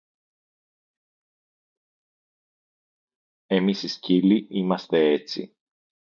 Εμείς οι σκύλοι είμαστε έτσι